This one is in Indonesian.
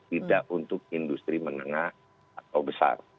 tidak untuk industri menengah atau besar